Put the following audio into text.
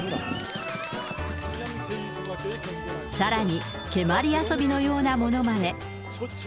さらに、蹴まり遊びのようなものまで。